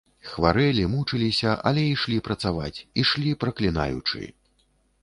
Хварэлі, мучыліся, але ішлі працаваць, ішлі праклінаючы.